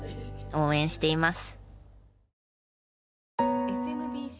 応援しています。